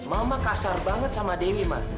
mama kasar banget sama dewi mah